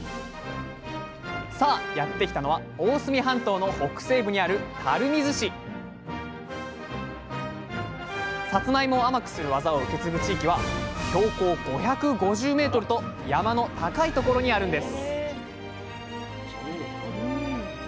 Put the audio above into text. さあやってきたのは大隅半島の北西部にある垂水市さつまいもを甘くする技をうけつぐ地域は標高５５０ｍと山の高い所にあるんです